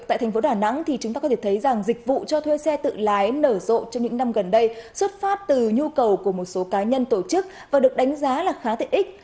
tại tp đà nẵng dịch vụ cho thuê xe tự lái nở rộ trong những năm gần đây xuất phát từ nhu cầu của một số cá nhân tổ chức và được đánh giá là khá tệ ích